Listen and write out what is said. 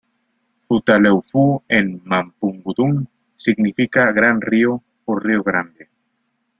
Futaleufú en mapudungún significa "Gran Río" o "Río grande".